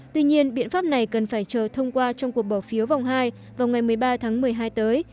tuy nhiên biện pháp này cần phải chờ thông qua trong cuộc bỏ phiếu vòng hai vào ngày một mươi ba tháng một mươi hai tới